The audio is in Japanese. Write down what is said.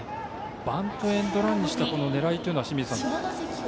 バントエンドランにした狙いというのは、どうですか。